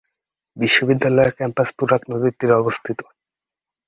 বিশ্ববিদ্যালয়ের ক্যাম্পাস তুরাগ নদীর তীরে অবস্থিত।